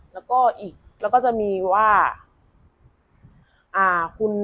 แล้วก็จะมีว่า